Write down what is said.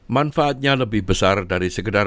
manfaatnya lebih besar dari sekedar